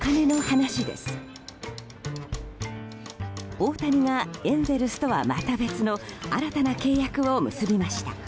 大谷がエンゼルスとはまた別の新たな契約を結びました。